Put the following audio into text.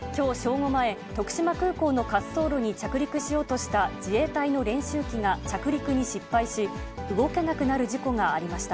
午前、徳島空港の滑走路に着陸しようとした自衛隊の練習機が着陸に失敗し、動けなくなる事故がありました。